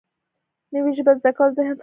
نوې ژبه زده کول ذهن فعال ساتي